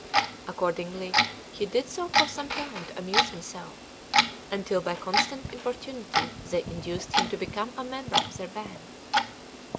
Accordingly he did so for some time to amuse himself, until by constant importunity they induced him to become a member of their band.